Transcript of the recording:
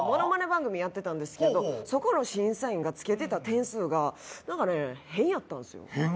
番組やってたんですけどそこの審査員がつけてた点数が何かね変やったんすよ変？